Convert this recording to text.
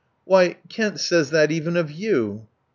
"Why! Kent says that even of you."